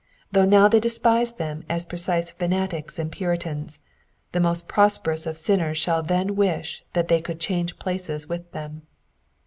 Though now they despise them as precise fanatics and Puritans, the most prosperous of sinners shall then wish that they could change places with them.